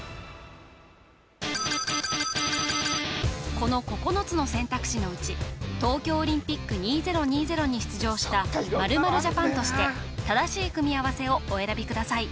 この９つの選択肢のうち東京オリンピック２０２０に出場した○○ジャパンとして正しい組み合わせをお選びください